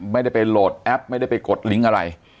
ไม่ได้ไปโหลดแอปไม่ได้ไปกดลิงก์อะไร